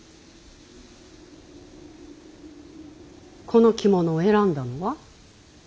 この着物を選んだのは？